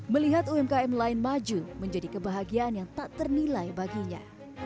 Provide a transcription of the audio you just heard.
melihat umkm lain maju menjadi kebahagiaan yang tak ternilai baginya